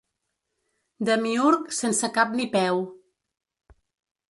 Demiürg sense cap ni peu.